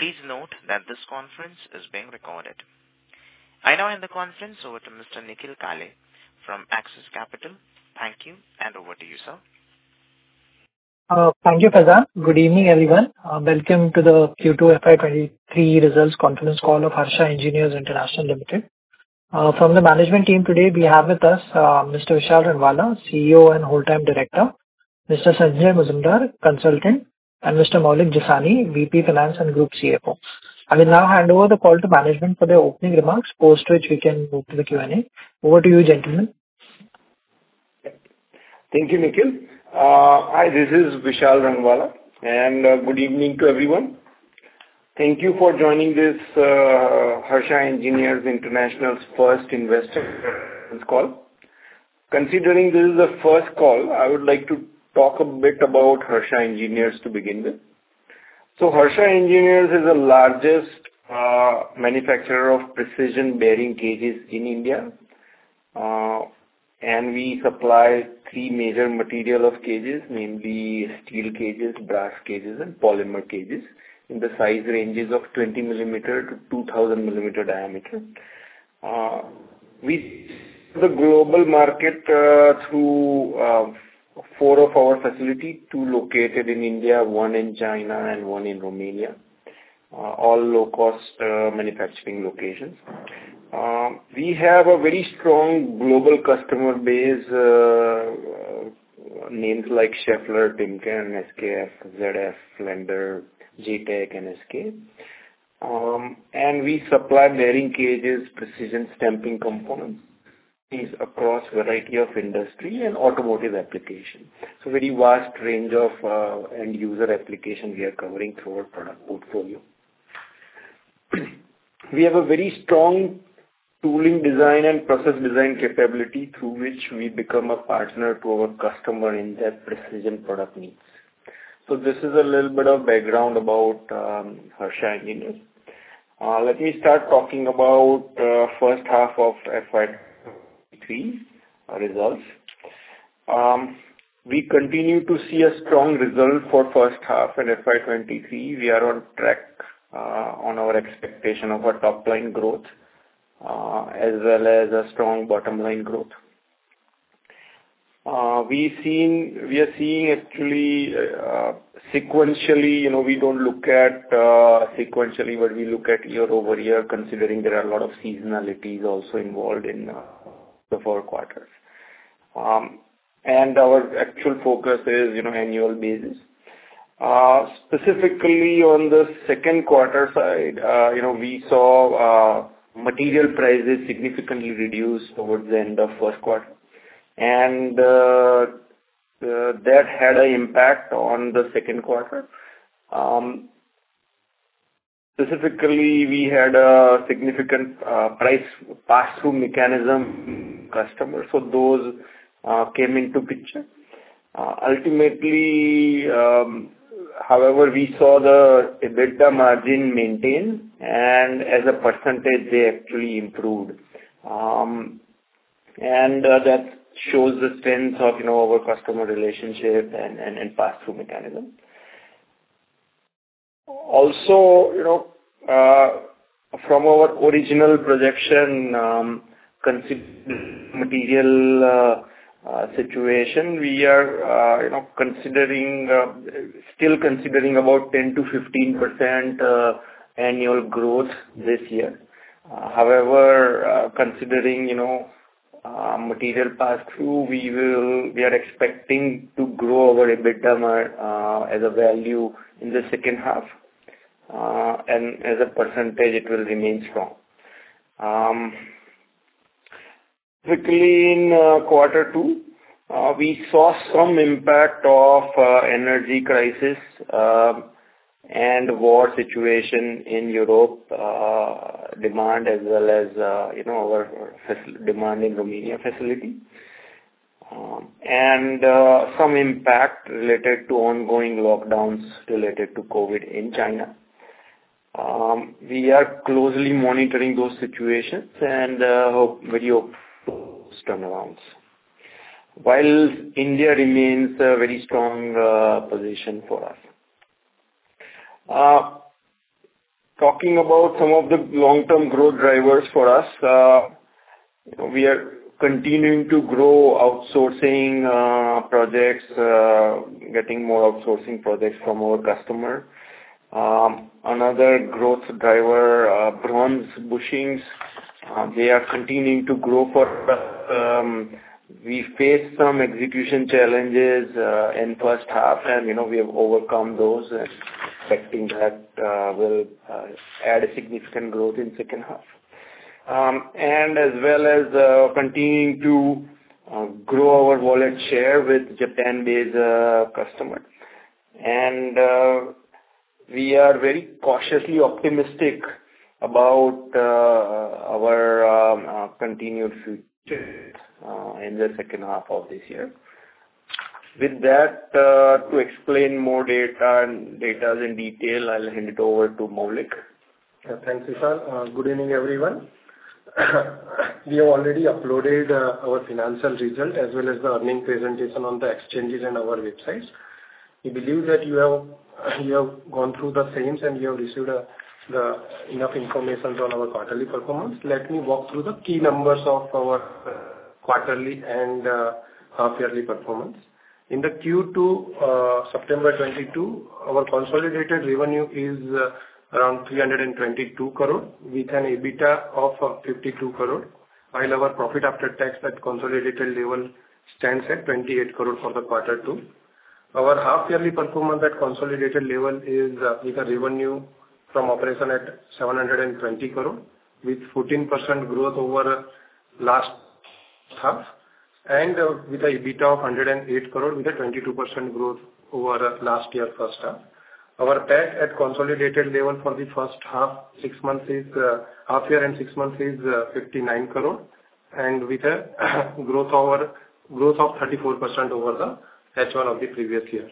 Please note that this conference is being recorded. I now hand the conference over to Mr. Nikhil Kale from Axis Capital. Thank you, and over to you, sir. Thank you, Faizan. Good evening, everyone. Welcome to the Q2 FY 2023 results conference call of Harsha Engineers International Limited. From the management team today we have with us, Mr. Vishal Rangwala, CEO and Whole-time Director, Mr. Sanjay Majmudar, Consultant, and Mr. Maulik Jasani, VP Finance and Group CFO. I will now hand over the call to management for their opening remarks, after which we can move to the Q&A. Over to you, gentlemen. Thank you, Nikhil. Hi, this is Vishal Rangwala, and good evening to everyone. Thank you for joining this Harsha Engineers International's first investor relations call. Considering this is the first call, I would like to talk a bit about Harsha Engineers to begin with. Harsha Engineers is the largest manufacturer of precision bearing cages in India. We supply three major materials of cages, namely steel cages, brass cages, and polymer cages in the size range of 20 mm to 2,000 mm diameter. We serve the global market through four of our facilities, two located in India, one in China, and one in Romania. All low-cost manufacturing locations. We have a very strong global customer base, names like Schaeffler, Timken, SKF, ZF, Flender, JTEKT, and NSK. We supply bearing cages, precision stamping components. These across variety of industry and automotive applications. Very vast range of end user application we are covering through our product portfolio. We have a very strong tooling design and process design capability through which we become a partner to our customer in their precision product needs. This is a little bit of background about Harsha Engineers. Let me start talking about first half of FY 2023 results. We continue to see a strong result for first half in FY 2023. We are on track on our expectation of our top line growth as well as a strong bottom line growth. We are seeing actually sequentially, you know, we don't look at sequentially, but we look at year-over-year, considering there are a lot of seasonalities also involved in the four quarters. Our actual focus is, you know, annual basis. Specifically on the second quarter side, you know, we saw material prices significantly reduce towards the end of first quarter. That had an impact on the second quarter. Specifically, we had a significant price pass-through mechanism customer. So those came into picture. Ultimately, however, we saw the EBITDA margin maintain and as a percentage they actually improved. That shows the strength of, you know, our customer relationship and pass-through mechanism. Also, you know, from our original projection, considering material situation, we are still considering about 10%-15% annual growth this year. However, considering, you know, material pass-through, we are expecting to grow our EBITDA as a value in the second half, and as a percentage it will remain strong. Quickly in quarter two, we saw some impact of energy crisis, and war situation in Europe, demand as well as, you know, demand in Romania facility. And some impact related to ongoing lockdowns related to COVID in China. We are closely monitoring those situations and hope very turnarounds. While India remains a very strong position for us. Talking about some of the long-term growth drivers for us. We are continuing to grow outsourcing projects, getting more outsourcing projects from our customer. Another growth driver, bronze bushings, they are continuing to grow for us. We faced some execution challenges in first half and, you know, we have overcome those and expecting that will add a significant growth in second half, as well as continuing to grow our wallet share with Japan-based customer. We are very cautiously optimistic about our continued future in the second half of this year. With that, to explain more data in detail, I'll hand it over to Maulik. Yeah. Thanks, Vishal. Good evening, everyone. We have already uploaded our financial results as well as the earnings presentation on the exchanges and our websites. We believe that you have gone through the same and you have received enough information on our quarterly performance. Let me walk through the key numbers of our quarterly and half yearly performance. In the Q2 September 2022, our consolidated revenue is around 322 crore with an EBITDA of 52 crore, while our profit after tax at consolidated level stands at 28 crore for the quarter 2. Our half yearly performance at consolidated level is with a revenue from operation at 720 crore, with 14% growth over last half, and with a EBITDA of 108 crore, with a 22% growth over last year first half. Our PAT at consolidated level for the first half, six months is 59 crore, and with a growth over growth of 34% over the H1 of the previous year.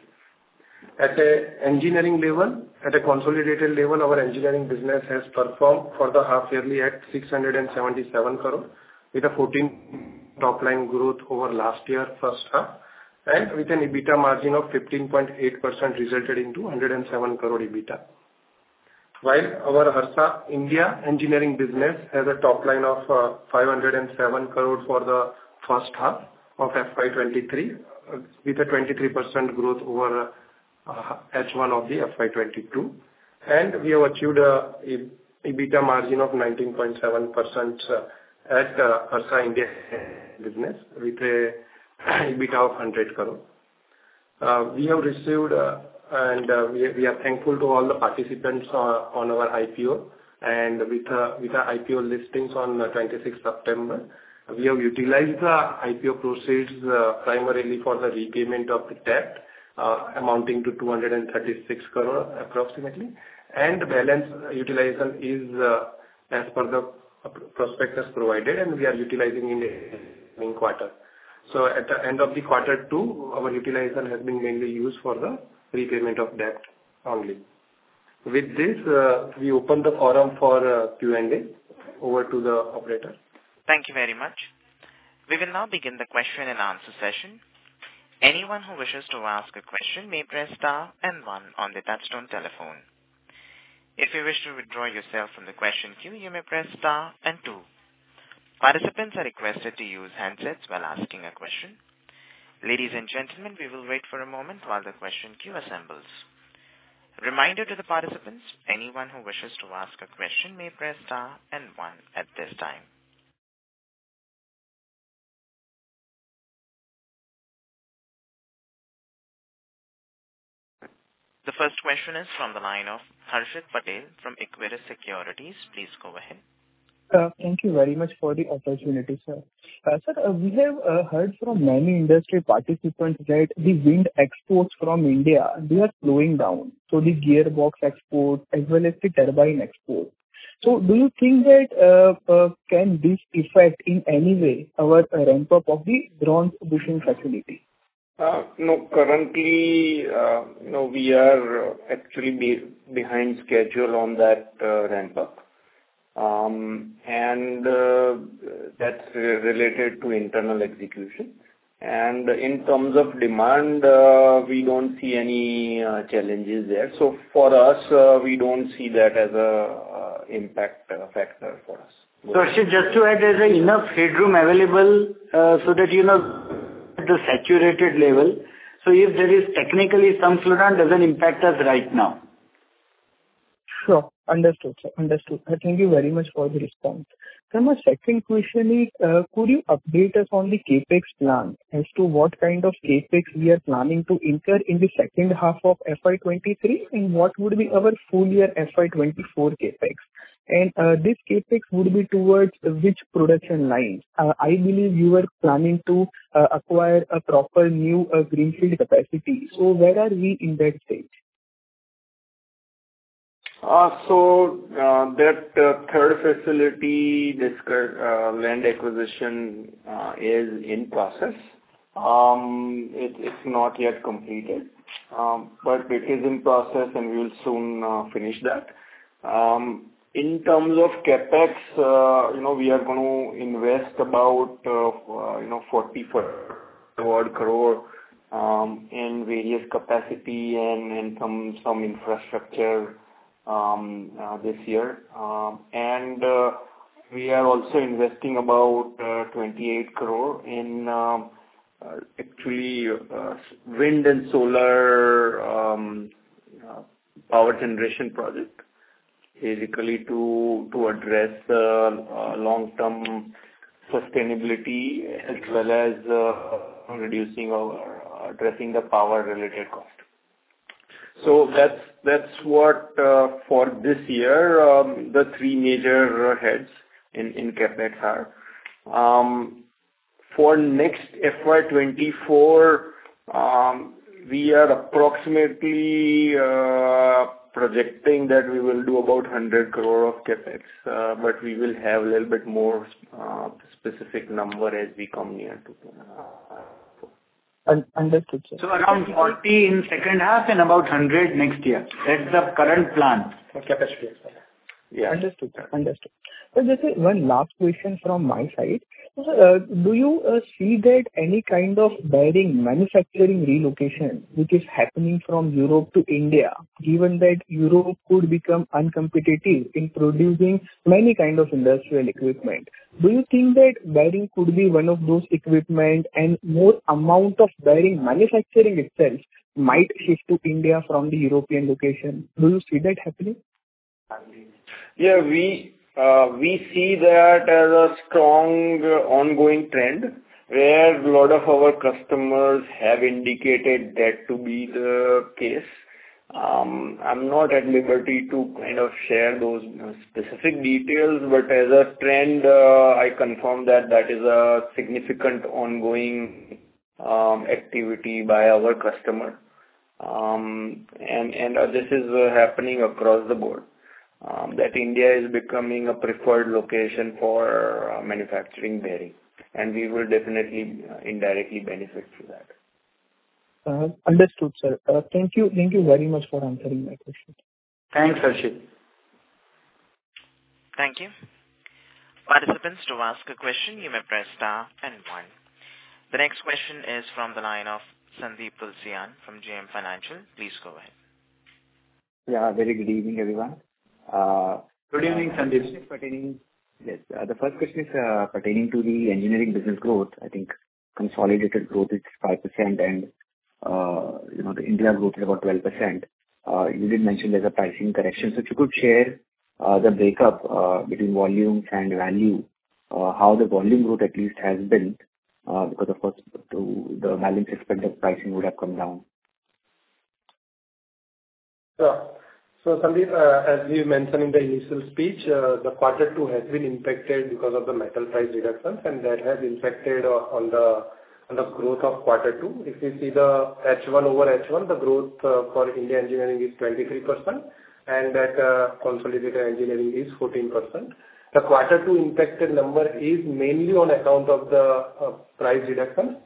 At the engineering level, at a consolidated level, our engineering business has performed for the half yearly at 677 crore with a 14% top line growth over last year first half, and with an EBITDA margin of 15.8% resulted into 107 crore EBITDA. While our Harsha India engineering business has a top line of 507 crore for the first half of FY 2023 with a 23% growth over H1 of the FY 2022. We have achieved a EBITDA margin of 19.7% at Harsha India business with a EBITDA of 100 crore. We have received and we are thankful to all the participants on our IPO and with our IPO listings on 26th September. We have utilized the IPO proceeds primarily for the repayment of the debt amounting to 236 crore approximately. Balance utilization is as per the prospectus provided, and we are utilizing in the quarter. At the end of quarter two, our utilization has been mainly used for the repayment of debt only. With this, we open the forum for Q&A. Over to the operator. Thank you very much. We will now begin the question and answer session. Anyone who wishes to ask a question may press star and one on the touchtone telephone. If you wish to withdraw yourself from the question queue, you may press star and two. Participants are requested to use handsets while asking a question. Ladies and gentlemen, we will wait for a moment while the question queue assembles. Reminder to the participants, anyone who wishes to ask a question may press star and one at this time. The first question is from the line of Harshit Patel from Equirus Securities. Please go ahead. Thank you very much for the opportunity, sir. Sir, we have heard from many industry participants that the wind exports from India, they are slowing down, so the gearbox export as well as the turbine export. Do you think that can this affect in any way our ramp up of the bronze bushing facility? No. Currently, no, we are actually behind schedule on that ramp up. That's related to internal execution. In terms of demand, we don't see any challenges there. For us, we don't see that as an impact factor for us. Harshit, just to add, there's enough headroom available, so that the saturated level. If there is technically some slowdown, doesn't impact us right now. Sure. Understood, sir. Understood. Thank you very much for the response. Sir, my second question is, could you update us on the CapEx plan as to what kind of CapEx we are planning to incur in the second half of FY 2023, and what would be our full year FY 2024 CapEx? This CapEx would be towards which production line? I believe you are planning to acquire a proper new greenfield capacity. Where are we in that stage? That third facility, land acquisition is in process. It's not yet completed. It is in process, and we'll soon finish that. In terms of CapEx, you know, we are gonna invest about, you know, 44 crore in various capacity and in some infrastructure this year. We are also investing about 28 crore in actually wind and solar power generation project, basically to address long-term sustainability as well as reducing or addressing the power related cost. That's what for this year, the three major heads in CapEx are. For next FY 2024, we are approximately projecting that we will do about 100 crore of CapEx, but we will have a little bit more specific number as we come near to. Understood, sir. around 40 in second half and about 100 next year. That's the current plan for capacity. Yeah. Understood, sir. Just one last question from my side. Do you see that any kind of bearing manufacturing relocation which is happening from Europe to India, given that Europe could become uncompetitive in producing many kind of industrial equipment? Do you think that bearing could be one of those equipment and more amount of bearing manufacturing itself might shift to India from the European location? Do you see that happening? Yeah, we see that as a strong ongoing trend, where a lot of our customers have indicated that to be the case. I'm not at liberty to kind of share those specific details, but as a trend, I confirm that that is a significant ongoing activity by our customer. And this is happening across the board, that India is becoming a preferred location for manufacturing bearing, and we will definitely indirectly benefit through that. Understood, sir. Thank you. Thank you very much for answering my question. Thanks, Harshit. Thank you. Participants, to ask a question, you may press star and one. The next question is from the line of Sandeep Tulsiyan from JM Financial. Please go ahead. Yeah, very good evening, everyone. Good evening, Sandeep. Yes, the first question is pertaining to the engineering business growth. I think consolidated growth is 5% and, you know, the India growth is about 12%. You did mention there's a pricing correction. If you could share the breakup between volumes and value, how the volume growth at least has been, because of course the value expected pricing would have come down. Sure. Sandeep, as we mentioned in the initial speech, the quarter two has been impacted because of the metal price reductions, and that has impacted on the growth of quarter two. If you see the H1 over H1, the growth for India engineering is 23%, and that consolidated engineering is 14%. The quarter two impacted number is mainly on account of the price reduction,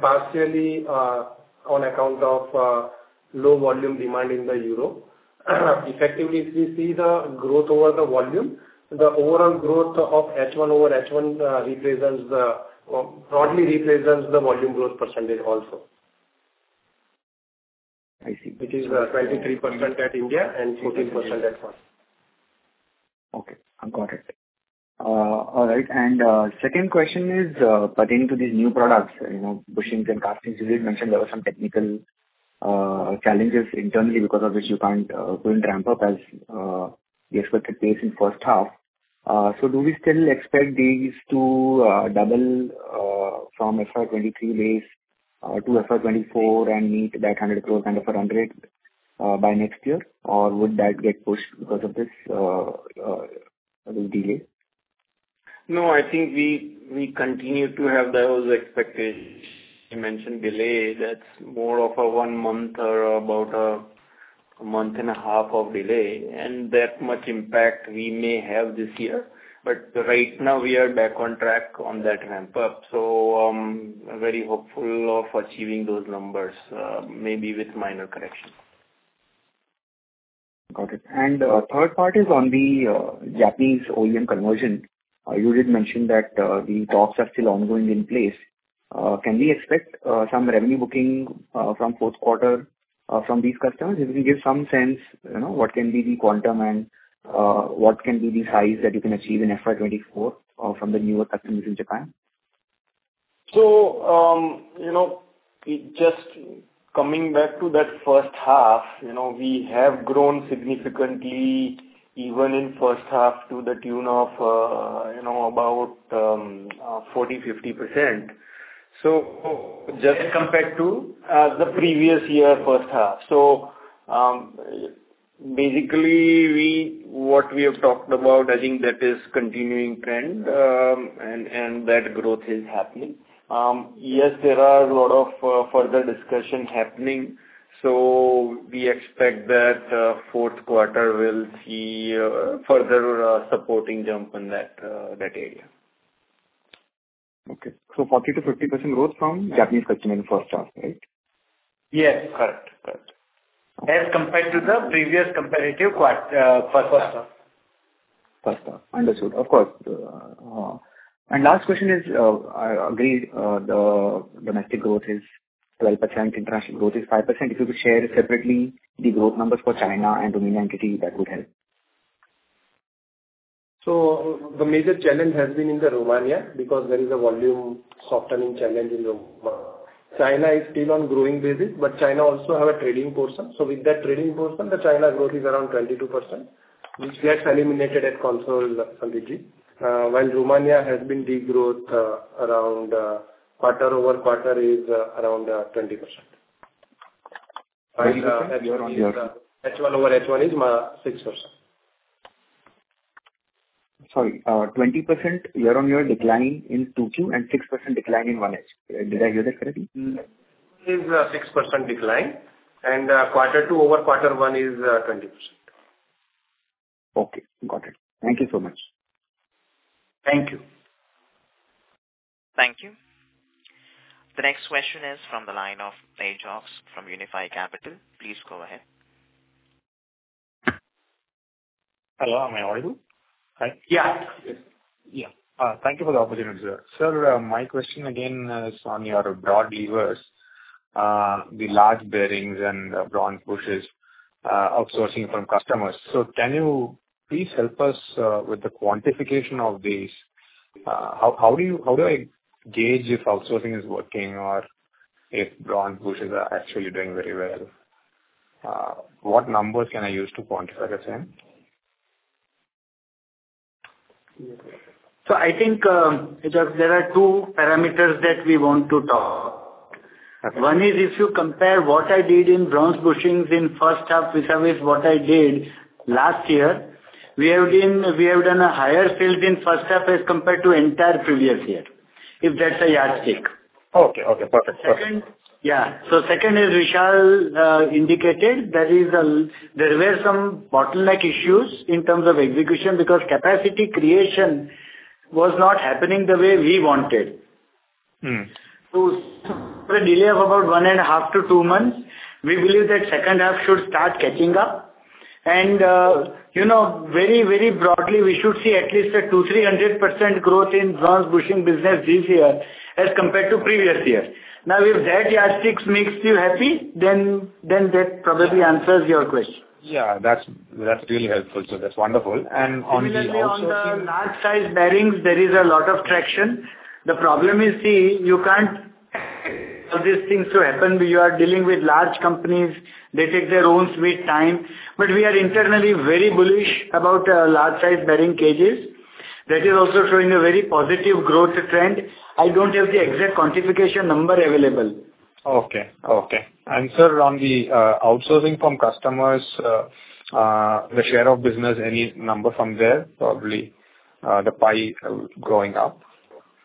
partially on account of low volume demand in Europe. Effectively, if we see the growth over the volume, the overall growth of H1 over H1 broadly represents the volume growth percentage also. I see. Which is, 23% at India and 14% at first. Okay, I've got it. All right, second question is pertaining to these new products, you know, bushings and castings. You did mention there were some technical challenges internally because of which you couldn't ramp up as the expected pace in first half. Do we still expect these to double from FY 2023 base to FY 2024 and meet that 100 crores run rate by next year? Or would that get pushed because of this little delay? No, I think we continue to have those expectations. You mentioned delay, that's more of a one month or about a month and a half of delay. That much impact we may have this year. Right now we are back on track on that ramp up. Very hopeful of achieving those numbers, maybe with minor correction. Got it. Third part is on the Japanese OEM conversion. You did mention that the talks are still ongoing in place. Can we expect some revenue booking from fourth quarter from these customers? If you can give some sense, you know, what can be the quantum and what can be the size that you can achieve in FY 2024 from the newer customers in Japan. You know, just coming back to that first half, you know, we have grown significantly even in first half to the tune of, you know, about 40%-50%. Just compared to? The previous year first half. Basically, what we have talked about, I think that is continuing trend, and that growth is happening. Yes, there are a lot of further discussion happening, so we expect that fourth quarter will see a further supporting jump in that area. Okay. 40%-50% growth from Japanese customer in first half, right? Yes, correct. As compared to the previous comparative first half. First half. Understood. Of course. Last question is, I agree, the domestic growth is 12%, international growth is 5%. If you could share separately the growth numbers for China and Romania entity, that would help. The major challenge has been in Romania because there is a volume softening challenge. China is still on growing basis, but China also have a trading portion. With that trading portion, the China growth is around 22%, which gets eliminated at consol completely. While Romania has been degrowth around quarter-over-quarter is around 20%. Twenty percent year on year- H1 over H1 is 6%. Sorry, 20% year-on-year decline in FY 2022 and 6% decline in H1. Did I hear that correctly? Is a 6% decline and quarter two over quarter one is 20%. Okay, got it. Thank you so much. Thank you. Thank you. The next question is from the line of Aejas from Unifi Capital. Please go ahead. Hello, am I audible? Hi. Yeah. Yeah. Thank you for the opportunity, sir. Sir, my question again is on your broad levers, the large bearings and bronze bushings, outsourcing from customers. Can you please help us with the quantification of these? How do I gauge if outsourcing is working or if bronze bushings are actually doing very well? What numbers can I use to quantify the same? There are two parameters that we want to talk. Okay. One is if you compare what I did in bronze bushings in first half vis-a-vis what I did last year, we have done a higher sales in first half as compared to entire previous year, if that's a yardstick. Okay. Perfect. Second. Yeah. Second is Vishal indicated there were some bottleneck issues in terms of execution because capacity creation was not happening the way we wanted. Mm-hmm. For a delay of about 1.5 to 2 months, we believe that second half should start catching up. You know, very, very broadly, we should see at least a 200%-300% growth in bronze bushing business this year as compared to previous year. Now, if that yardstick makes you happy, then that probably answers your question. Yeah. That's really helpful. That's wonderful. On the outsourcing- Similarly, on the large size bearings, there is a lot of traction. The problem is, see, you can't force these things to happen. You are dealing with large companies. They take their own sweet time. We are internally very bullish about large size bearing cages. That is also showing a very positive growth trend. I don't have the exact quantification number available. Okay. Okay. Sir, on the outsourcing from customers, the share of business, any number from there, probably, the pie growing up?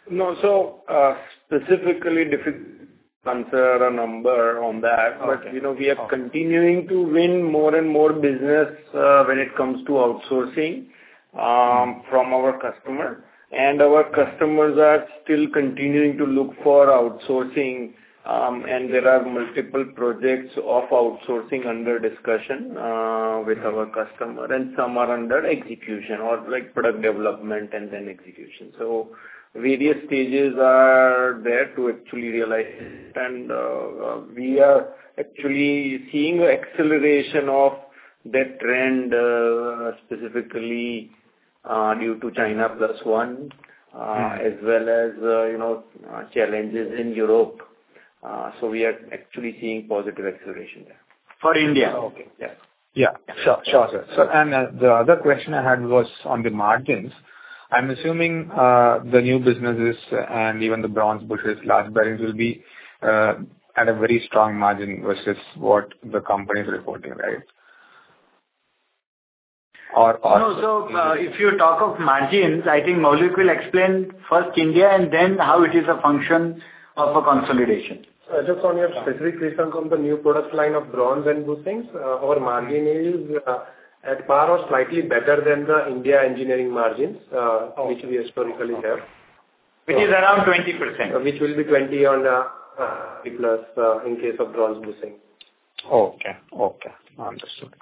No. Specifically difficult to answer a number on that. Okay. You know, we are continuing to win more and more business, when it comes to outsourcing, from our customer. Our customers are still continuing to look for outsourcing, and there are multiple projects of outsourcing under discussion, with our customer, and some are under execution or like product development and then execution. Various stages are there to actually realize it. We are actually seeing acceleration of that trend, specifically, due to China plus one. Mm-hmm. as well as, you know, challenges in Europe. We are actually seeing positive acceleration there. For India? Okay. Yeah. Yeah. Sure, sir. The other question I had was on the margins. I'm assuming the new businesses and even the bronze bushings, large bearings will be at a very strong margin versus what the company is reporting, right? No. If you talk of margins, I think Maulik will explain first India and then how it is a function of a consolidation. Just on your specific question on the new product line of bronze bushings, our margin is at par or slightly better than the India engineering margins. Okay. which we historically have. Which is around 20%. Which will be 20 on P+ in case of bronze bushing. Okay. Understood.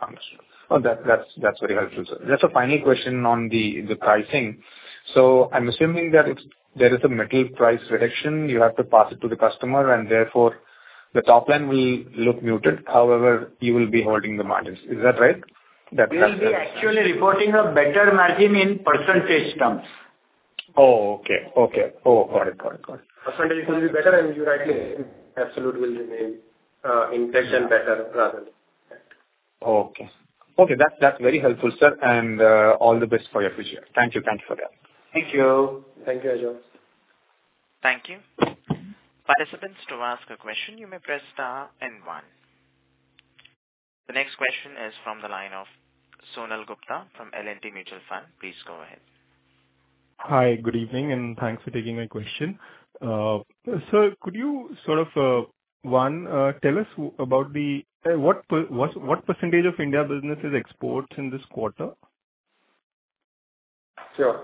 Well, that's very helpful, sir. Just a final question on the pricing. I'm assuming that it's there is a metal price reduction. You have to pass it to the customer, and therefore the top line will look muted. However, you will be holding the margins. Is that right? We will be actually reporting a better margin in percentage terms. Oh, okay. Oh, got it. percentage will be better, and you're right, absolute will remain inflation better rather than that. Okay. That's very helpful, sir. All the best for your future. Thank you for that. Thank you. Thank you, Aejas. Thank you. Participants, to ask a question, you may press star and one. The next question is from the line of Sonal Gupta from L&T Mutual Fund. Please go ahead. Hi, good evening, and thanks for taking my question. Sir, could you sort of tell us about the, what percentage of Indian business is exports in this quarter? Sure.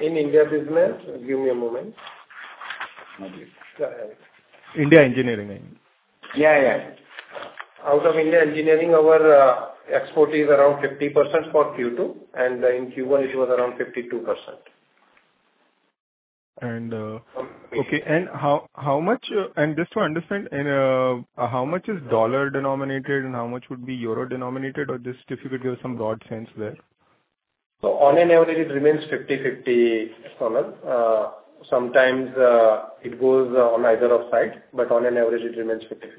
In India business, give me a moment. Maulik. Yeah, yeah. Indian engineering, I mean. Yeah, yeah. Out of India engineering, our export is around 50% for Q2, and in Q1 it was around 52%. And, uh- From- Okay. How much is dollar denominated and how much would be euro denominated, or just if you could give some broad sense there. On an average it remains 50/50, Sonal. Sometimes, it goes on either side, but on an average it remains 50/50.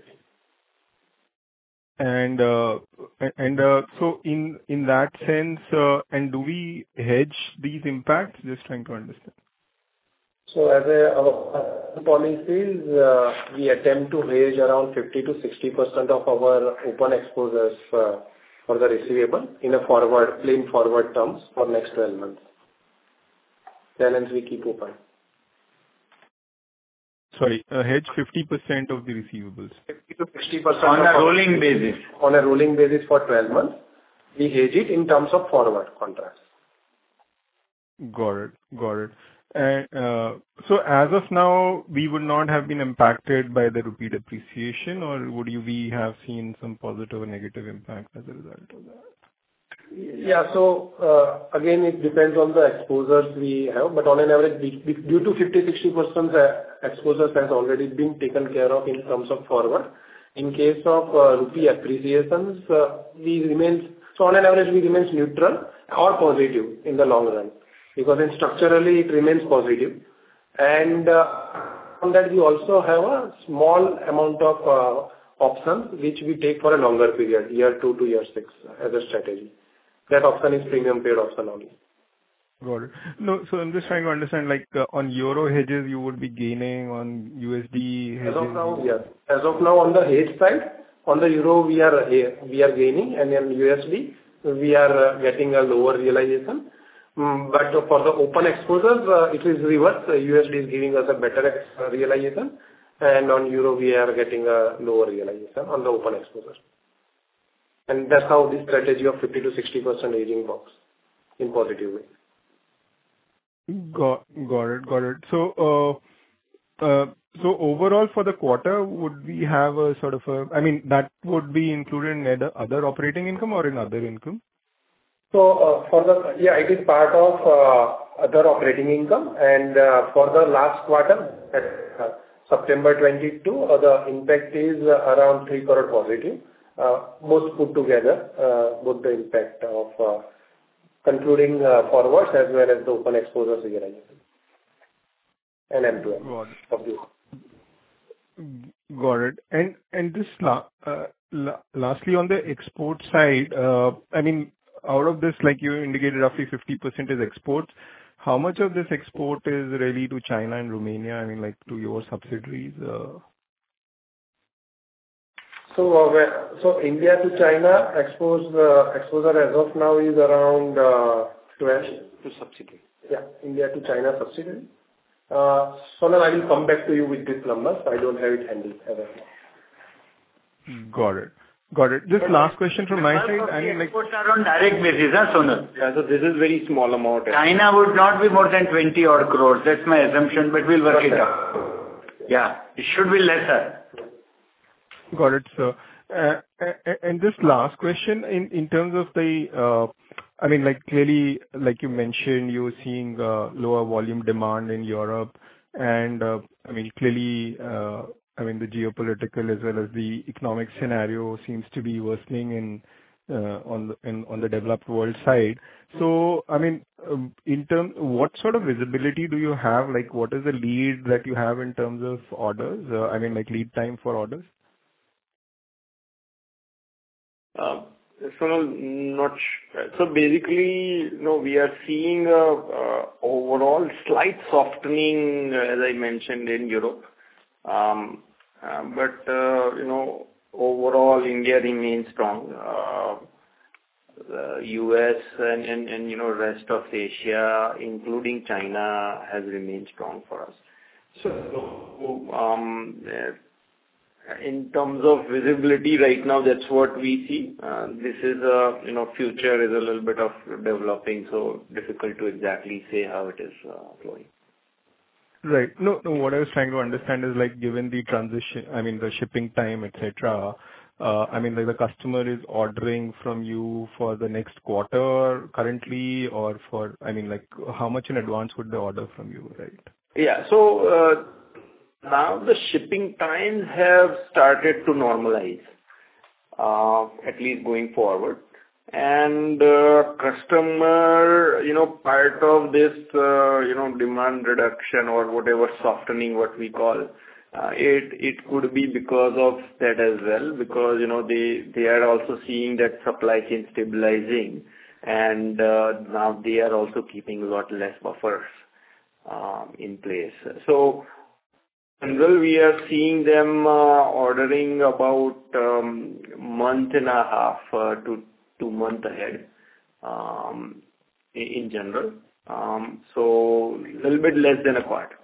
In that sense, do we hedge these impacts? Just trying to understand. Our policy is, we attempt to hedge around 50%-60% of our open exposures, for the receivable in a forward, plain forward terms for next 12 months. Balance we keep open. Sorry, hedge 50% of the receivables. 50%-60% On a rolling basis. On a rolling basis for 12 months, we hedge it in terms of forward contracts. Got it. As of now, we would not have been impacted by the rupee depreciation or we have seen some positive or negative impact as a result of that? Yeah. Again, it depends on the exposures we have, but on an average, due to 50-60% exposures has already been taken care of in terms of forward. In case of rupee appreciations, we remains. On an average, we remains neutral or positive in the long run because then structurally it remains positive. From that we also have a small amount of option which we take for a longer period, year 2 to year 6 as a strategy. That option is premium paid option only. Got it. No, I'm just trying to understand, like, on euro hedges you would be gaining, on USD hedging. As of now, yeah. As of now, on the hedge side, on the euro we are gaining, and then USD, we are getting a lower realization. But for the open exposures, it is reverse. USD is giving us a better realization and on euro we are getting a lower realization on the open exposures. That's how the strategy of 50%-60% hedging works in positive way. Got it. Overall for the quarter, would we have a sort of, I mean, that would be included in other operating income or in other income? It is part of other operating income. For the last quarter, September 2022, the impact is around 3 crore positive, both put together, the impact of concluding forwards as well as the open exposures realization and MTM. Got it. Of the year. Got it. Just lastly on the export side, I mean, out of this, like you indicated, roughly 50% is exports. How much of this export is really to China and Romania, I mean, like, to your subsidiaries? India to China exposure as of now is around 12%. To subsidiary. Yeah, India to China subsidiary. Sonal, I will come back to you with these numbers. I don't have it handy at hand. Got it. This last question from my side, I mean, like. Exports are on direct basis, huh, Sonal? Yeah. This is very small amount. China would not be more than 20 odd crores. That's my assumption, but we'll work it out. Correct. Yeah. It should be lesser. Got it, sir. This last question in terms of the, I mean, like, clearly, like you mentioned, you're seeing lower volume demand in Europe and, I mean, clearly, the geopolitical as well as the economic scenario seems to be worsening in the developed world side. I mean, in terms, what sort of visibility do you have? Like, what is the lead that you have in terms of orders? I mean like lead time for orders. Sonal, basically, no, we are seeing overall slight softening, as I mentioned, in Europe. You know, overall India remains strong. U.S. and, you know, rest of Asia, including China, has remained strong for us. Sure. in terms of visibility right now, that's what we see. This is, you know, future is a little bit of developing, so difficult to exactly say how it is, flowing. Right. No, no, what I was trying to understand is, like, given the shipping time, et cetera, I mean, like the customer is ordering from you for the next quarter currently or for, I mean, like how much in advance would they order from you, right? Yeah. Now the shipping times have started to normalize, at least going forward. Customer, you know, part of this, you know, demand reduction or whatever softening what we call it could be because of that as well, because, you know, they are also seeing that supply chain stabilizing and now they are also keeping a lot less buffers in place. In general, we are seeing them ordering about month and a half to two month ahead, in general. Little bit less than a quarter.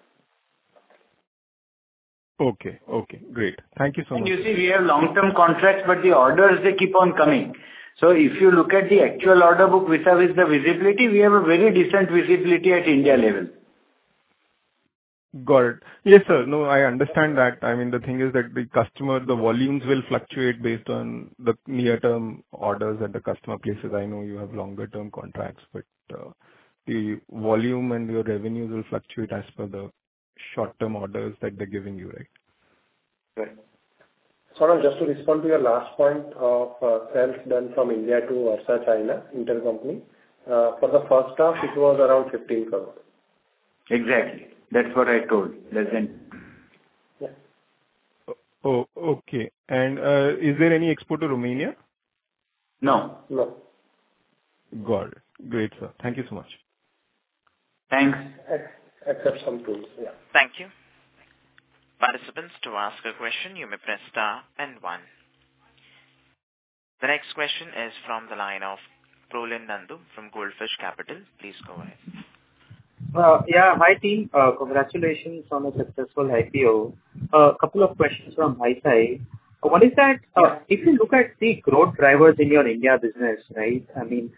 Okay. Okay, great. Thank you so much. You see, we have long-term contracts, but the orders, they keep on coming. If you look at the actual order book which has the visibility, we have a very decent visibility at India level. Got it. Yes, sir. No, I understand that. I mean, the thing is that the customer, the volumes will fluctuate based on the near-term orders that the customer places. I know you have longer term contracts, but, the volume and your revenues will fluctuate as per the short-term orders that they're giving you, right? Right. Sonal, just to respond to your last point of sales done from India to Harsha China, intercompany. For the first half it was around 15 crore. Exactly. That's what I told. Less than. Yeah. Oh, okay. Is there any export to Romania? No. No. Got it. Great, sir. Thank you so much. Thanks. Except some tools, yeah. Thank you. Participants, to ask a question, you may press star and one. The next question is from the line of Prolin Nandu from Goldfish Capital. Please go ahead. Yeah. Hi, team. Congratulations on a successful IPO. A couple of questions from my side. One is that, if you look at the growth drivers in your India business, right? I mean,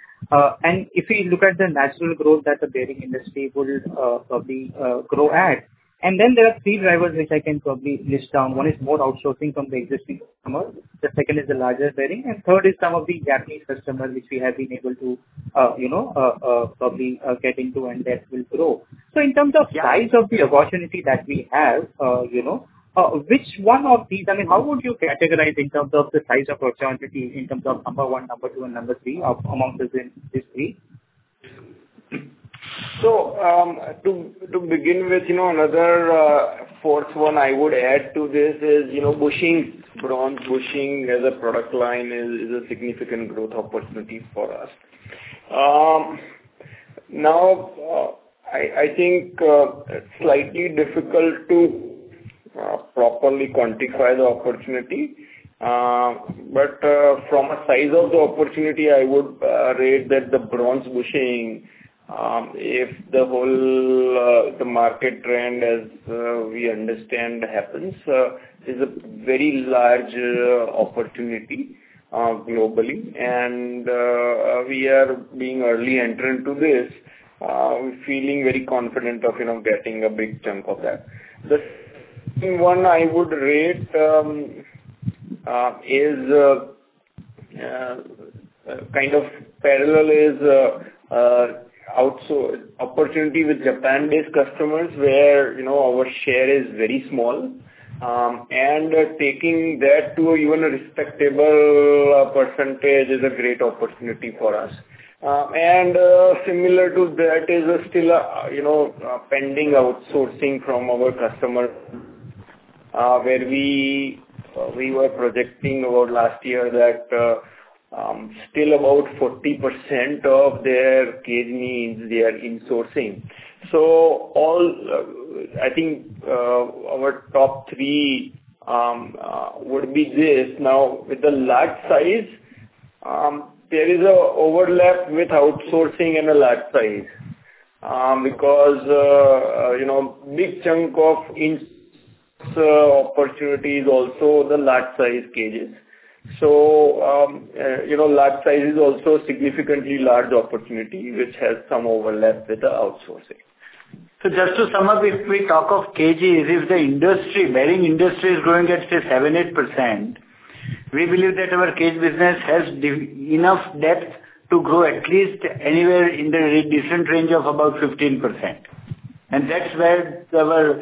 if you look at the natural growth that the bearing industry will probably grow at, and then there are three drivers which I can probably list down. One is more outsourcing from the existing customer, the second is the largest bearing, and third is some of the Japanese customers which we have been able to, you know, probably get into, and that will grow. In terms of size of the opportunity that we have, you know, which one of these. I mean, how would you categorize in terms of the size opportunity in terms of number one, number two, and number three among the three? To begin with, you know, another fourth one I would add to this is, you know, bronze bushing as a product line is a significant growth opportunity for us. Now, I think it's slightly difficult to properly quantify the opportunity. From a size of the opportunity, I would rate that the bronze bushing, if the whole market trend as we understand happens, is a very large opportunity globally. We are an early entrant to this, we're feeling very confident of, you know, getting a big chunk of that. The one I would rate is kind of parallel is outsourcing opportunity with Japan-based customers where, you know, our share is very small. Taking that to even a respectable percentage is a great opportunity for us. Similar to that is still, you know, pending outsourcing from our customer, where we were projecting about last year that still about 40% of their cage needs, they are insourcing. I think our top three would be this. Now, with the large size, there is an overlap with outsourcing and the large size. Because you know, big chunk of insource opportunity is also the large size cages. Large size is also a significantly large opportunity which has some overlap with the outsourcing. Just to sum up, if we talk of cages, if the industry, bearing industry is growing at, say, 7-8%, we believe that our cage business has enough depth to grow at least anywhere in the decent range of about 15%. That's where our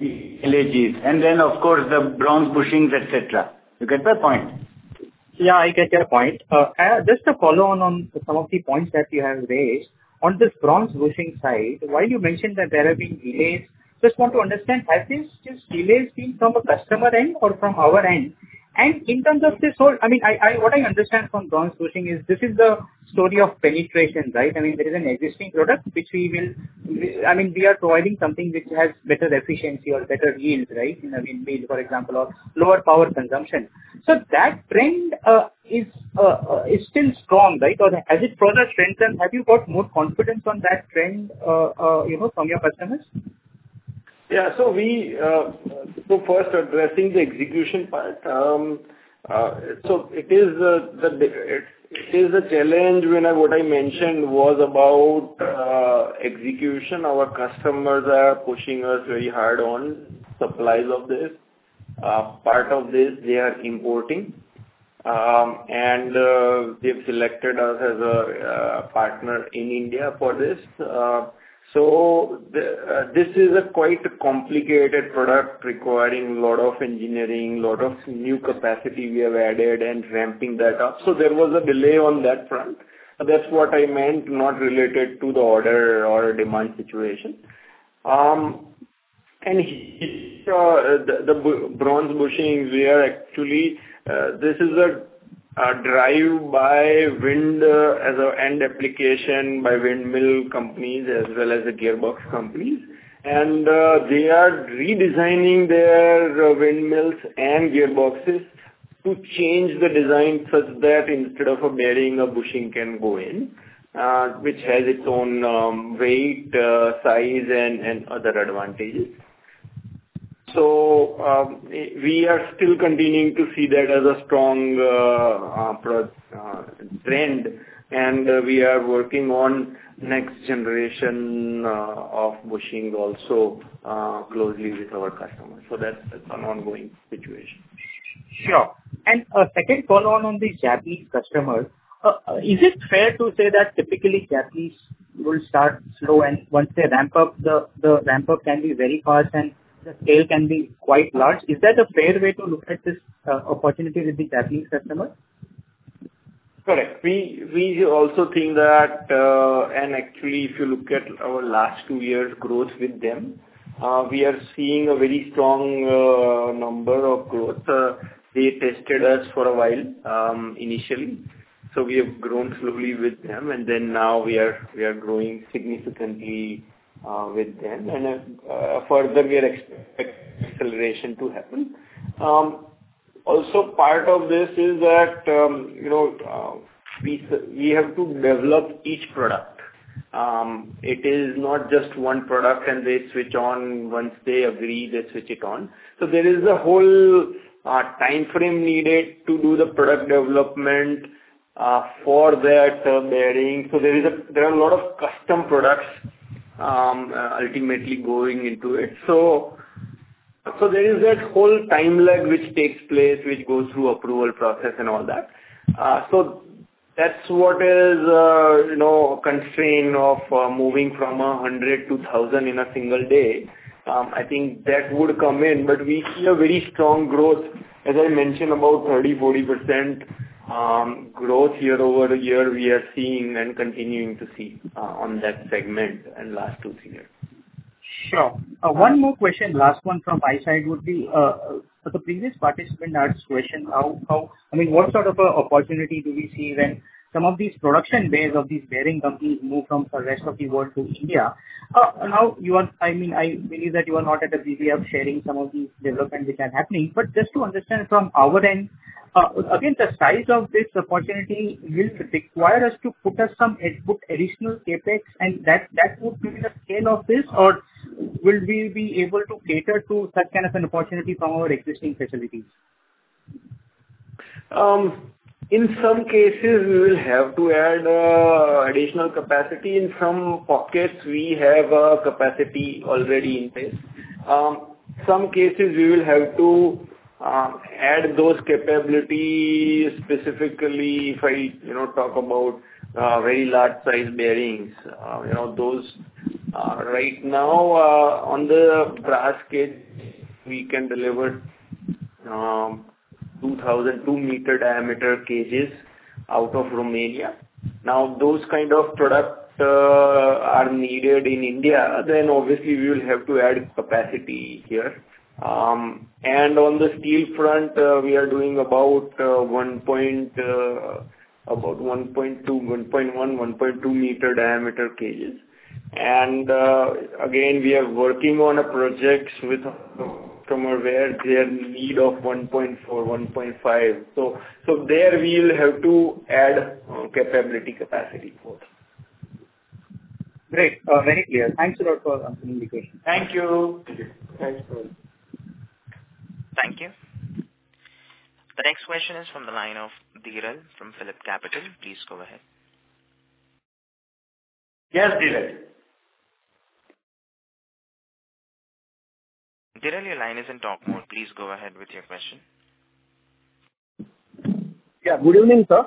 is. Then, of course, the bronze bushings, et cetera. You get my point. Yeah, I get your point. Just to follow on some of the points that you have raised. On this bronze bushing side, while you mentioned that there have been delays, just want to understand, have these delays been from a customer end or from our end? In terms of this whole, I mean, what I understand from bronze bushing is this is a story of penetration, right? I mean, there is an existing product which we are providing something which has better efficiency or better yield, right? You know, in windmill, for example, or lower power consumption. So that trend is still strong, right? Or as it further strengthens, have you got more confidence on that trend, you know, from your customers? Yeah. We first addressing the execution part. It is a challenge. What I mentioned was about execution. Our customers are pushing us very hard on supplies of this. Part of this they are importing. They've selected us as a partner in India for this. This is quite a complicated product requiring lot of engineering, lot of new capacity we have added and ramping that up. There was a delay on that front. That's what I meant, not related to the order or demand situation. The bronze bushings, we are actually, this is driven by wind as an end application by windmill companies as well as the gearbox companies. They are redesigning their windmills and gearboxes to change the design such that instead of a bearing, a bushing can go in, which has its own weight, size, and other advantages. We are still continuing to see that as a strong trend. We are working on next generation of bushing also closely with our customers. That's an ongoing situation. Sure. A second follow on the Japanese customers. Is it fair to say that typically Japanese will start slow and once they ramp up, the ramp up can be very fast and the scale can be quite large. Is that a fair way to look at this, opportunity with the Japanese customers? Correct. We also think that actually, if you look at our last two years growth with them, we are seeing a very strong number of growth. They tested us for a while initially. We have grown slowly with them, and then now we are growing significantly with them. Further, we expect acceleration to happen. Also, part of this is that you know, we have to develop each product. It is not just one product, and they switch on once they agree, they switch it on. There is a whole timeframe needed to do the product development for that bearing. There are a lot of custom products ultimately going into it. There is that whole time lag which takes place, which goes through approval process and all that. That's what is, you know, constraint on moving from 100 to 1,000 in a single day. I think that would come in, but we see a very strong growth, as I mentioned, about 30%-40% growth year-over-year we are seeing and continuing to see on that segment in last 2-3 years. Sure. One more question, last one from my side would be, so the previous participant asked question how, I mean, what sort of a opportunity do we see when some of these production bases of these bearing companies move from the rest of the world to India? Now, I mean, I believe that you are not at liberty to share some of these developments which are happening. Just to understand from our end, again, the size of this opportunity will require us to put in some additional CapEx and that would be the scale of this or will we be able to cater to that kind of an opportunity from our existing facilities? In some cases we will have to add additional capacity. In some pockets we have capacity already in place. Some cases we will have to add those capabilities specifically if I, you know, talk about very large size bearings. You know, those right now on the brass cage, we can deliver 2,000 2-meter diameter cages out of Romania. Now, those kind of product are needed in India, then obviously we will have to add capacity here. On the steel front, we are doing about 1.1-1.2-meter diameter cages. Again, we are working on a project with a customer where they're in need of 1.4-1.5. There we'll have to add capacity for. Great. Very clear. Thanks a lot for answering the question. Thank you. Thank you. Thanks a lot. Thank you. The next question is from the line of Dhiren from PhillipCapital. Please go ahead. Yes, Dhiren. Dhiren, your line is in talk mode. Please go ahead with your question. Yeah. Good evening, sir.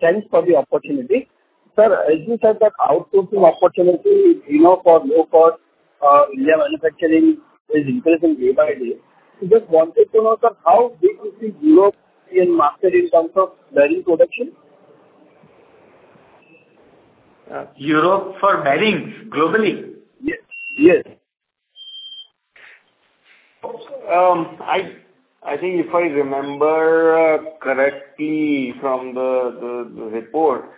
Thanks for the opportunity. Sir, as you said that outsourcing opportunity in Europe for low cost, India manufacturing is increasing day by day. Just wanted to know, sir, how big is the European market in terms of bearing production? Europe for bearings globally? Yes. Yes. I think if I remember correctly from the report,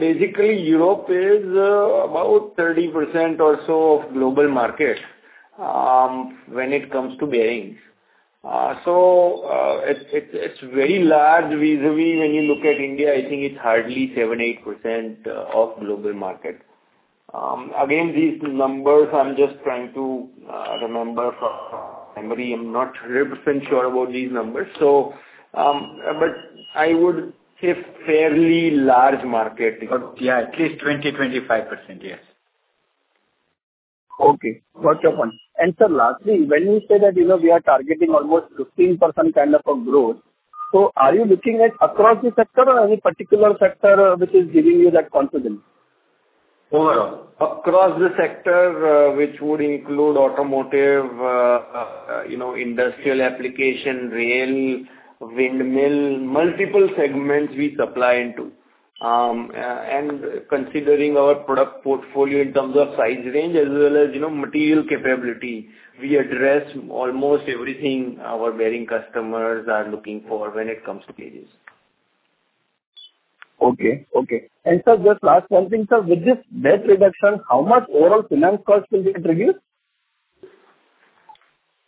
basically Europe is about 30% or so of global market when it comes to bearings. It's very large vis-à-vis when you look at India. I think it's hardly 7%-8% of global market. Again, these numbers I'm just trying to remember from memory. I'm not 100% sure about these numbers. I would say fairly large market. Yeah, at least 20%-25%. Yes. Okay. Got your point. Sir, lastly, when you say that, you know, we are targeting almost 15% kind of a growth, so are you looking at across the sector or any particular sector, which is giving you that confidence? Overall. Across the sector, which would include automotive, you know, industrial application, rail, windmill, multiple segments we supply into. Considering our product portfolio in terms of size range as well as, you know, material capability, we address almost everything our bearing customers are looking for when it comes to cages. Sir, just last one thing, sir. With this debt reduction, how much overall finance cost will be reduced?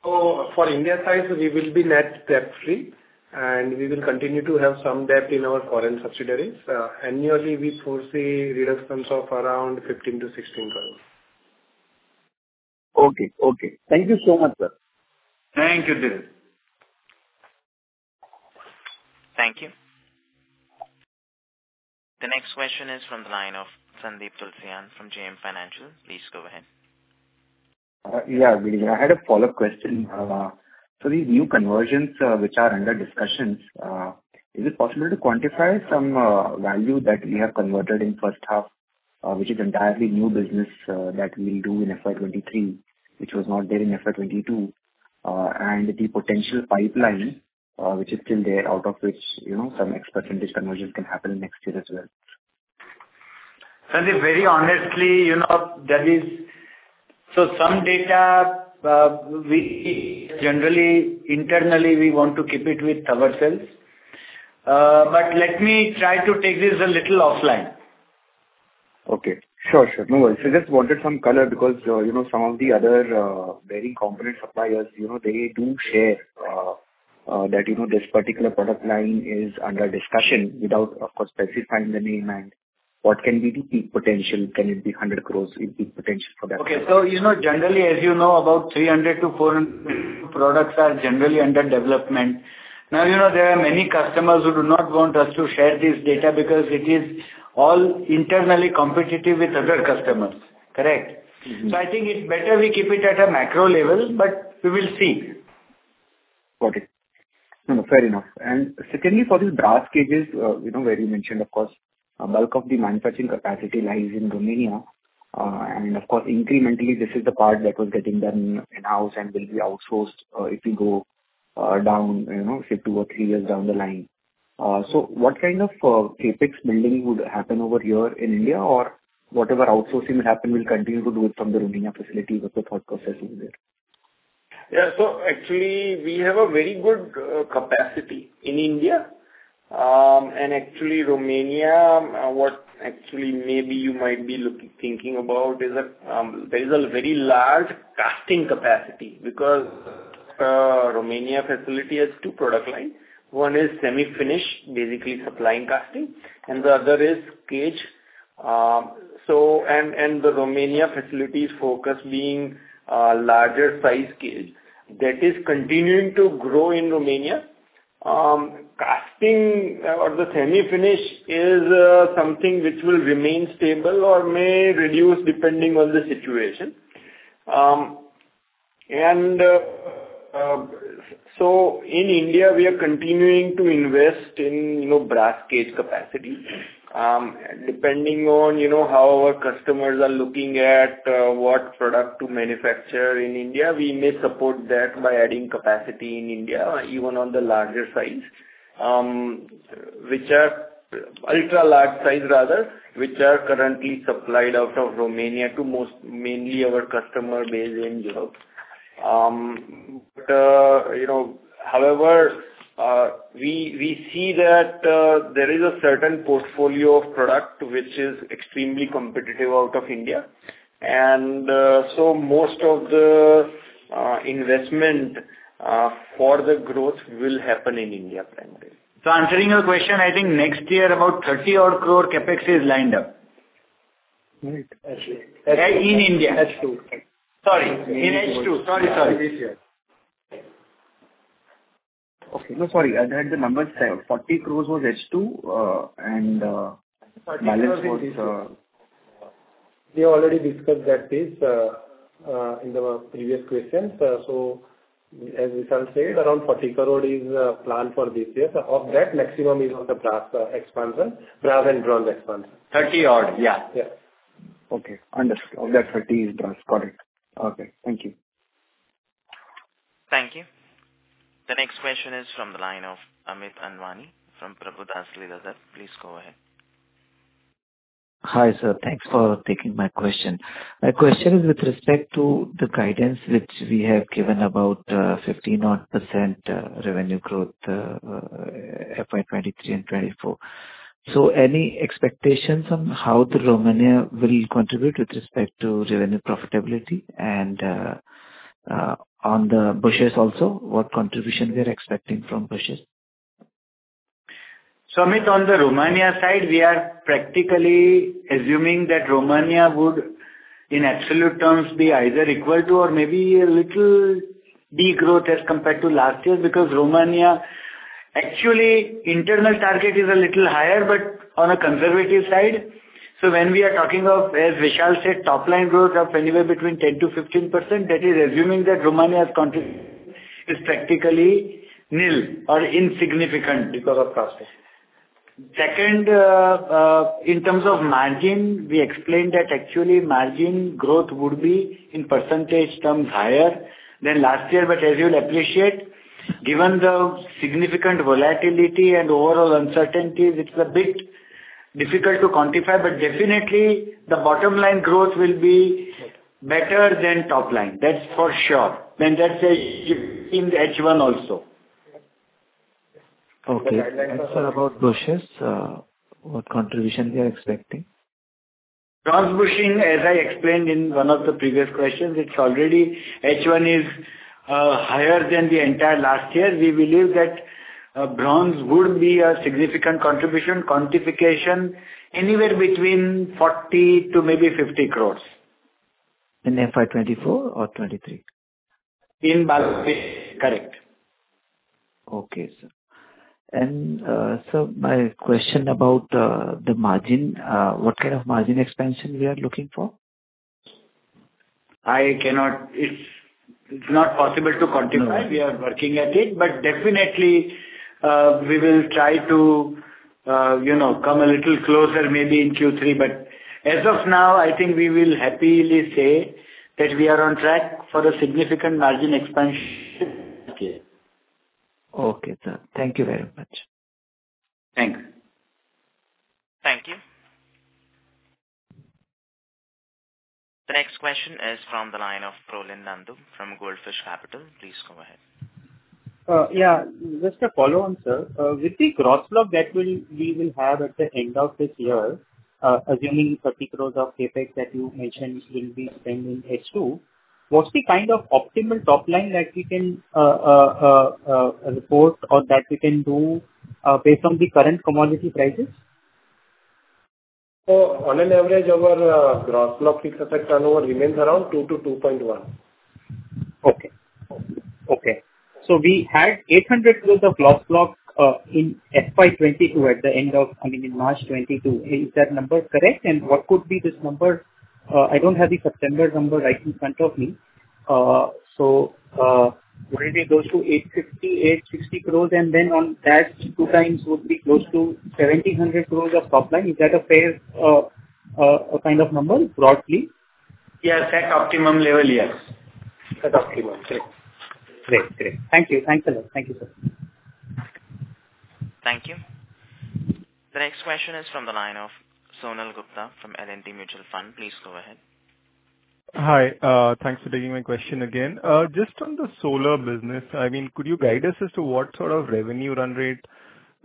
For India side we will be net debt free, and we will continue to have some debt in our foreign subsidiaries. Annually, we foresee reductions of around 15 crore-16 crore. Okay. Thank you so much, sir. Thank you, Dhiren. Thank you. The next question is from the line of Sandeep Tulsiyan from JM Financial. Please go ahead. Yeah, good evening. I had a follow-up question. So these new conversions, which are under discussions, is it possible to quantify some value that we have converted in first half, which is entirely new business, that we'll do in FY 2023, which was not there in FY 2022, and the potential pipeline, which is still there, out of which, you know, some X% conversion can happen next year as well? Sandeep, very honestly, you know, that is. Some data, we generally internally we want to keep it with ourselves. But let me try to take this a little offline. Okay. Sure, sure. No worries. I just wanted some color because, you know, some of the other, bearing component suppliers, you know, they do share, that, you know, this particular product line is under discussion without, of course, specifying the name and what can be the peak potential. Can it be 100 crores, the peak potential for that? Okay. You know, generally, as you know, about 300-400 products are generally under development. Now, you know, there are many customers who do not want us to share this data because it is all internally competitive with other customers. Correct? Mm-hmm. I think it's better we keep it at a macro level, but we will see. Okay. No, no, fair enough. Secondly, for these brass cages, you know, where you mentioned, of course, a bulk of the manufacturing capacity lies in Romania. Of course, incrementally, this is the part that was getting done in-house and will be outsourced, if you go, down, you know, say two or three years down the line. What kind of CapEx building would happen over here in India or whatever outsourcing will happen, we'll continue to do it from the Romania facility. What's the thought process over there? Yeah. Actually we have a very good capacity in India. Actually Romania, what actually maybe you might be thinking about is that there is a very large casting capacity because Romania facility has two product line. One is semi-finish, basically supplying casting, and the other is cage. The Romania facility's focus being larger size cage. That is continuing to grow in Romania. Casting or the semi-finish is something which will remain stable or may reduce depending on the situation. In India, we are continuing to invest in, you know, brass cage capacity. Depending on, you know, how our customers are looking at what product to manufacture in India, we may support that by adding capacity in India, even on the ultra large size rather, which are currently supplied out of Romania to most, mainly our customer base in Europe. We see that there is a certain portfolio of product which is extremely competitive out of India. Most of the investment for the growth will happen in India primarily. Answering your question, I think next year about 30 crore CapEx is lined up. Great. Actually. In India. H2. Sorry, in H2. Sorry. This year. Okay. No, sorry. I had the numbers. 40 crore was H2, and balance was INR 40 crore is this year. We already discussed that this in the previous questions. As Vishal said, around 40 crore is planned for this year. Of that maximum is on the brass expansion, brass and bronze expansion. 30-odd. Yeah. Yeah. Okay. Understood. Of that 30 is brass. Got it. Okay. Thank you. Thank you. The next question is from the line of Amit Anwani from Prabhudas Lilladher. Please go ahead. Hi, sir. Thanks for taking my question. My question is with respect to the guidance which we have given about 15-odd% revenue growth FY 2023 and FY 2024. Any expectations on how the Romania will contribute with respect to revenue profitability and on the bushings also, what contribution we are expecting from bushings? Amit, on the Romania side, we are practically assuming that Romania would, in absolute terms, be either equal to or maybe a little degrowth as compared to last year because Romania, actually internal target is a little higher, but on a conservative side. When we are talking of, as Vishal said, top line growth of anywhere between 10%-15%, that is assuming that Romania's contribution is practically nil or insignificant because of process. Second, in terms of margin, we explained that actually margin growth would be in percentage terms higher than last year. As you'll appreciate, given the significant volatility and overall uncertainties, it's a bit difficult to quantify, but definitely the bottom line growth will be better than top line. That's for sure. That's a shift in the H1 also. Okay. Sir, about bushings, what contribution we are expecting? Bronze bushing, as I explained in one of the previous questions, it's already H1 is higher than the entire last year. We believe that bronze would be a significant contribution. Quantification anywhere between 40 crores to maybe 50 crores. In FY24 or FY23? In both. Correct. Okay, sir. Sir, my question about the margin. What kind of margin expansion we are looking for? It's not possible to quantify. No. We are working at it, but definitely, we will try to, you know, come a little closer maybe in Q3. As of now, I think we will happily say that we are on track for a significant margin expansion this year. Okay, sir. Thank you very much. Thanks. Thank you. The next question is from the line of Prolin Nandu from Goldfish Capital. Please go ahead. Yeah, just a follow-on, sir. With the gross block that we will have at the end of this year, assuming 30 crores of CapEx that you mentioned will be spent in H2, what's the kind of optimal top line that we can report or that we can do, based on the current commodity prices? On average, our gross block fixed asset turnover remains around 2-2.1. Okay. We had 800 crores of gross block in FY 2022 at the end of I mean, in March 2022. Is that number correct? What could be this number? I don't have the September number right in front of me. Would it be close to 850 crores-860 crores and then on that 2x would be close to 1,700 crores of top line? Is that a fair kind of number broadly? Yes, at optimum level, yes. At optimum. Great. Thank you. Thanks a lot. Thank you, sir. Thank you. The next question is from the line of Sonal Gupta from L&T Mutual Fund. Please go ahead. Hi. Thanks for taking my question again. Just on the solar business, I mean, could you guide us as to what sort of revenue run rate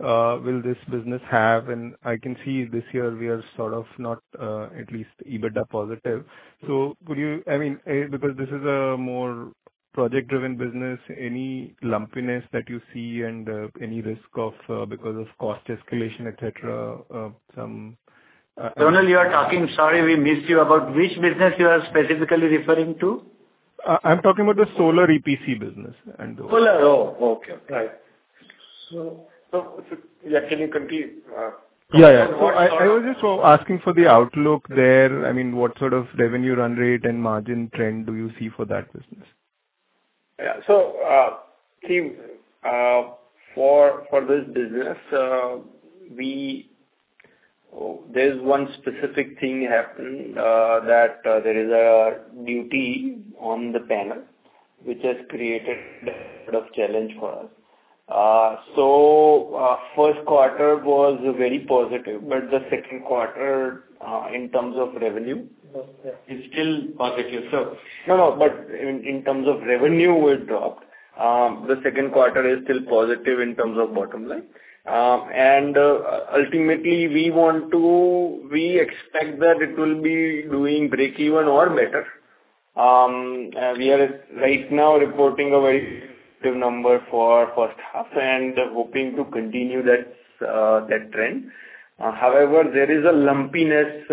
will this business have? I can see this year we are sort of not at least EBITDA positive. Could you, I mean, because this is a more project-driven business, any lumpiness that you see and any risk of because of cost escalation, et cetera, some Sonal, you are talking, sorry we missed you. About which business you are specifically referring to? I'm talking about the solar EPC business. Solar. Oh, okay. Right. Yeah, can you continue? Yeah. I was just asking for the outlook there. I mean, what sort of revenue run rate and margin trend do you see for that business? For this business, There's one specific thing happened that there is a duty on the panel which has created a bit of challenge for us. First quarter was very positive, but the second quarter in terms of revenue- Was still positive. No, but in terms of revenue we dropped. The second quarter is still positive in terms of bottom line. Ultimately, we expect that it will be doing breakeven or better. We are right now reporting a very good number for first half and hoping to continue that trend. However, there is a lumpiness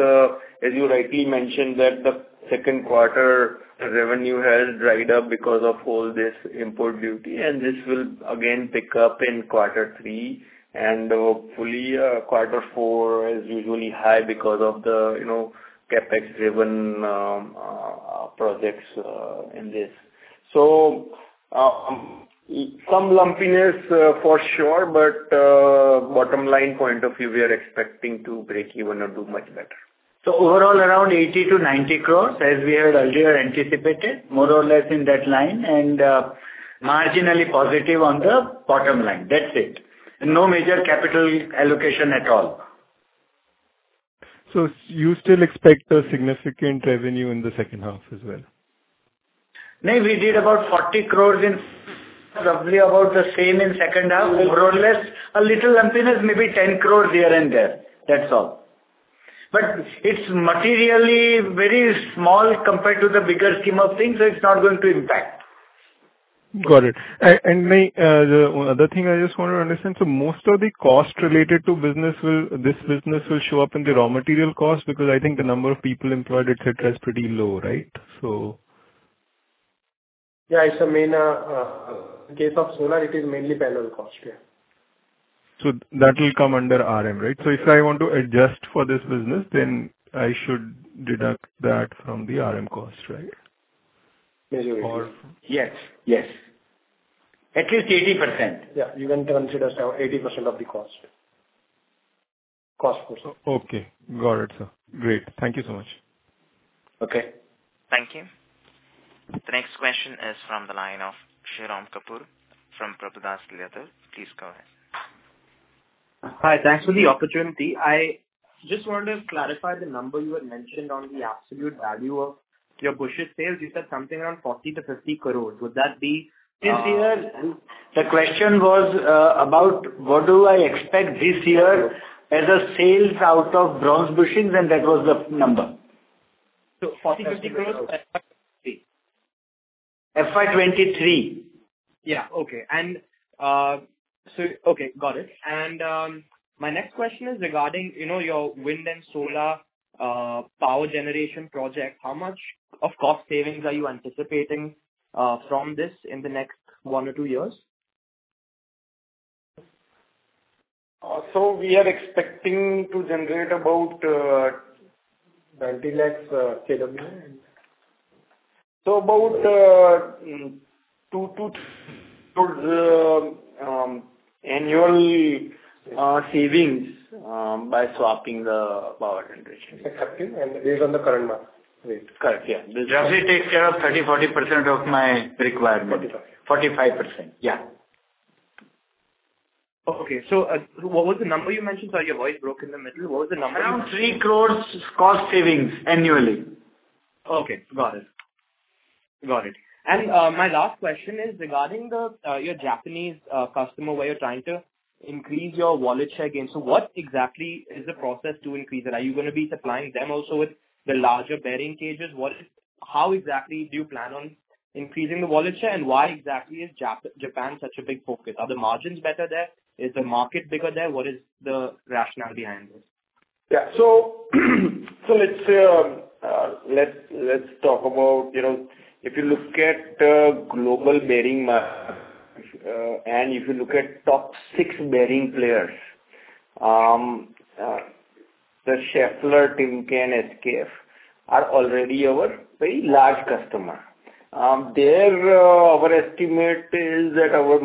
as you rightly mentioned, that the second quarter revenue has dried up because of all this import duty, and this will again pick up in quarter three, and hopefully quarter four is usually high because of the, you know, CapEx-driven projects in this. Some lumpiness for sure. Bottom line point of view, we are expecting to breakeven or do much better. Overall, around 80 crores-90 crores, as we had earlier anticipated, more or less in that line, and marginally positive on the bottom line. That's it. No major capital allocation at all. You still expect a significant revenue in the second half as well? No, we did about 40 crores in roughly about the same in second half, more or less. A little lumpiness, maybe 10 crores here and there, that's all. It's materially very small compared to the bigger scheme of things, so it's not going to impact. Got it. One other thing I just want to understand. Most of the cost related to this business will show up in the raw material cost because I think the number of people employed, et cetera, is pretty low, right? Yeah, it's mainly. In case of solar, it is mainly panel cost. Yeah. That will come under RM, right? Yes. If I want to adjust for this business, then I should deduct that from the RM cost, right? Maybe. Or- Yes. At least 80%. Yeah, you can consider so, 80% of the cost, of course. Okay. Got it, sir. Great. Thank you so much. Okay. Thank you. The next question is from the line of Shirom Kapur from Prabhudas Lilladher. Please go ahead. Hi. Thanks for the opportunity. I just wanted to clarify the number you had mentioned on the absolute value of your bushing sales. You said something around 40 crore-50 crore. Would that be? This year, the question was about what do I expect this year as a sales out of bronze bushings, and that was the number. 40-50 crores. FY23. My next question is regarding, you know, your wind and solar power generation project. How much of cost savings are you anticipating from this in the next one or two years? We are expecting to generate about. 20 lakhs kW. About 2 to annual savings by swapping the power generation. Exactly, based on the current market rate. Correct. Yeah. It roughly takes care of 30%-40% of my requirement. Forty-five. 45%. Yeah. Okay. What was the number you mentioned? Sorry, your voice broke in the middle. What was the number? Around 3 crore cost savings annually. Okay, got it. My last question is regarding your Japanese customer, where you're trying to increase your wallet share gain. What exactly is the process to increase it? Are you gonna be supplying them also with the larger bearing cages? How exactly do you plan on increasing the wallet share, and why exactly is Japan such a big focus? Are the margins better there? Is the market bigger there? What is the rationale behind this? Yeah. Let's talk about, you know, if you look at global bearing market and if you look at top six bearing players, the Schaeffler, Timken, SKF are already our very large customer. Our estimate is that our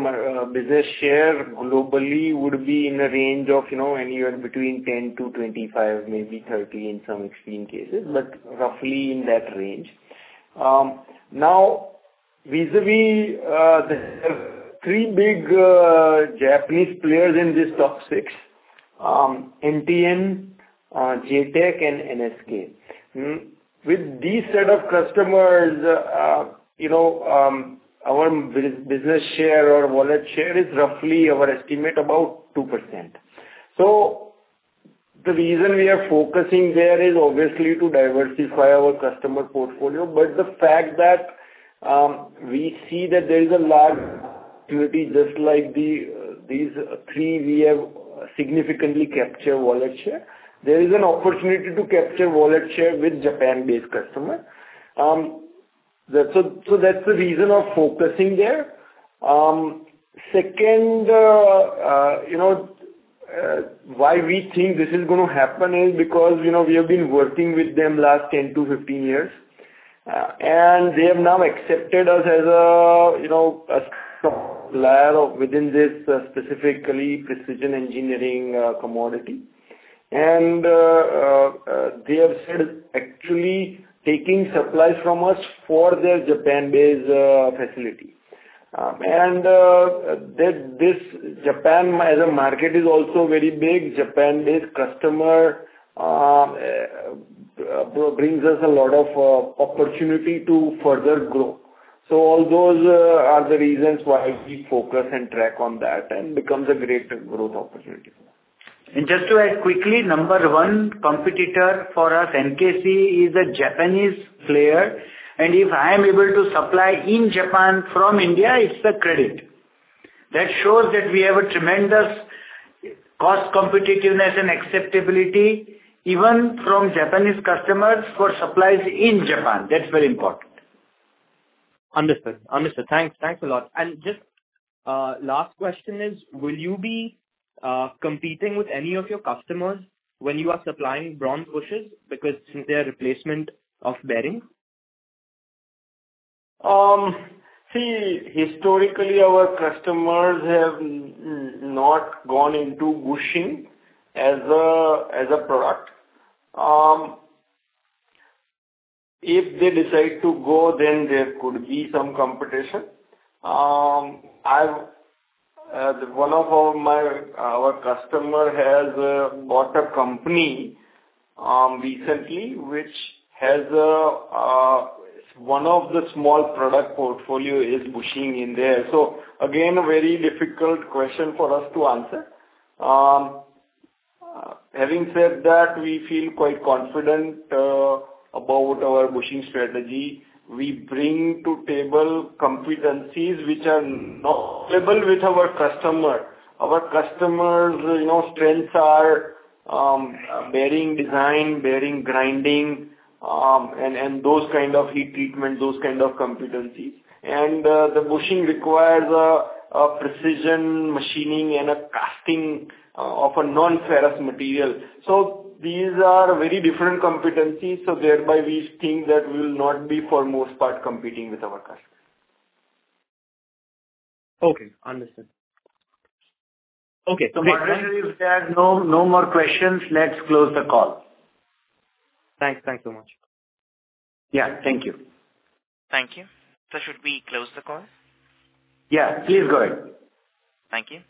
business share globally would be in a range of, you know, anywhere between 10-25, maybe 30 in some extreme cases, but roughly in that range. Now vis-a-vis the three big Japanese players in this top six, NTN, JTEKT and NSK. With these set of customers, you know, our business share or wallet share is roughly our estimate about 2%. The reason we are focusing there is obviously to diversify our customer portfolio. The fact that we see that there is a large opportunity just like these three we have significantly capture wallet share. There is an opportunity to capture wallet share with Japan-based customer. That's a-- that's the reason of focusing there. Second, you know, why we think this is gonna happen is because, you know, we have been working with them last 10-15 years, and they have now accepted us as a, you know, a supplier of within this specifically precision engineering commodity. They have started actually taking supplies from us for their Japan-based facility. This Japan as a market is also very big. Japan-based customer brings us a lot of opportunity to further grow. All those are the reasons why we focus and track on that and becomes a great growth opportunity. Just to add quickly, number one competitor for us, NKC, is a Japanese player, and if I am able to supply in Japan from India, it's a credit. That shows that we have a tremendous cost competitiveness and acceptability even from Japanese customers for supplies in Japan. That's very important. Understood. Thanks a lot. Just a last question is, will you be competing with any of your customers when you are supplying bronze bushings because they are replacement of bearing? See, historically our customers have not gone into bushing as a product. If they decide to go, then there could be some competition. One of our customers has bought a company recently which has one of the small product portfolios is bushing in there. Again, a very difficult question for us to answer. Having said that, we feel quite confident about our bushing strategy. We bring to table competencies which are not available with our customer. Our customers', you know, strengths are bearing design, bearing grinding, and those kind of heat treatment, those kind of competencies. The bushing requires a precision machining and a casting of a non-ferrous material. These are very different competencies, so thereby we think that we'll not be for most part competing with our customers. Okay, understood. Madhur, if there are no more questions, let's close the call. Thanks. Thank you so much. Yeah. Thank you. Thank you. Should we close the call? Yeah, please go ahead. Thank you.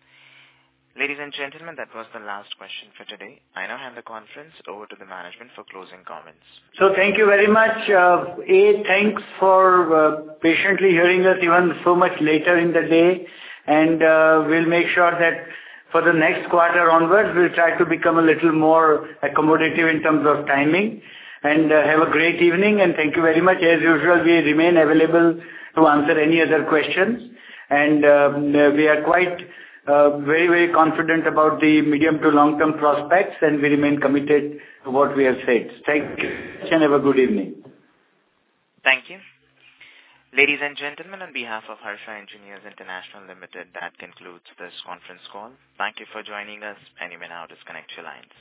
Ladies and gentlemen, that was the last question for today. I now hand the conference over to the management for closing comments. Thank you very much. Thanks for patiently hearing us even so much later in the day. We'll make sure that for the next quarter onwards, we'll try to become a little more accommodative in terms of timing. Have a great evening, and thank you very much. As usual, we remain available to answer any other questions. We are quite very confident about the medium to long-term prospects, and we remain committed to what we have said. Thank you, and have a good evening. Thank you. Ladies and gentlemen, on behalf of Harsha Engineers International Limited, that concludes this conference call. Thank you for joining us. You may now disconnect your lines.